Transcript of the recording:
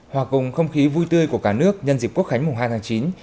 hòa cùng không khí vui tươi của cả nước nhân dịp quốc khánh mùng hai tháng chín